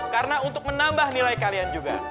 karena untuk menambah nilai kalian juga